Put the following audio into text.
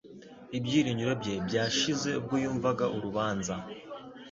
Ibyiringiro bye byashize ubwo yumvaga urubanza